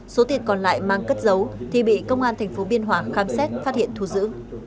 số tiền còn lại mang cất dấu thì bị công an tp biên hòa khám xét phát hiện thu giữ